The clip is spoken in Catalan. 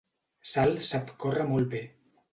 Sal sap córrer molt bé.